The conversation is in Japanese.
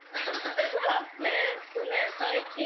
えっとね最近？